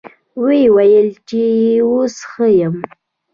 ويې ويل چې يه اوس ښه يمه.